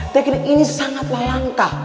teknik ini sangatlah langka